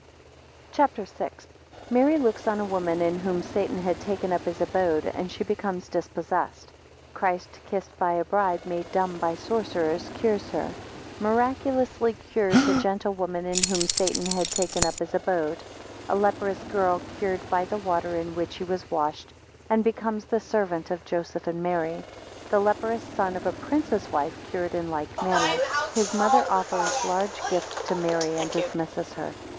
CHAPTER VI. 1 Mary looks on a woman in whom Satan had taken up his abode, and she becomes dispossessed. 5 Christ kissed by a bride made dumb by sorcerers, cures her. 11 Miraculously cures a gentlewoman in whom Satan had taken up his abode. 16 A leprous girl cured by the water in which he was washed, and becomes the servant of Joseph and Mary. 20 The leprous son of a prince's wife cured in like manner. 37 Has mother offers large gifts to Mary, and dismisses her.